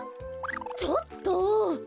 ちょっと！